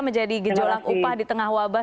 menjadi gejolak upah di tengah wabah